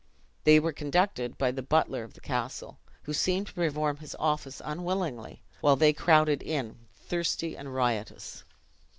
They were conducted by the butler of the castle, who seemed to perform his office unwillingly, while they crowded in, thirsty and riotous.